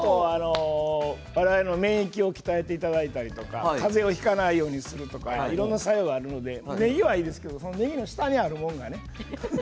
我々の免疫を鍛えていただいたりとか、かぜをひかないようにするとかいろんな作用があるのでねぎはいいですけどその下にあるものは何？